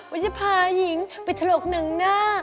จะพาหญิงไปถลกหนังหน้า